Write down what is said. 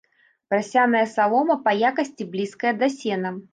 Прасяная салома па якасці блізкая да сена.